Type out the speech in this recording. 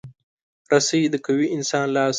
رسۍ د قوي انسان لاس دی.